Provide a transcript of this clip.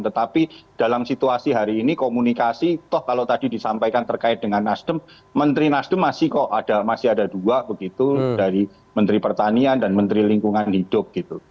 tetapi dalam situasi hari ini komunikasi toh kalau tadi disampaikan terkait dengan nasdem menteri nasdem masih kok masih ada dua begitu dari menteri pertanian dan menteri lingkungan hidup gitu